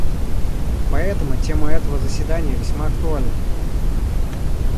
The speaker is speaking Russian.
Поэтому тема этого заседания весьма актуальна.